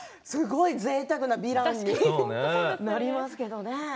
ぜいたくなヴィランになりますけどね。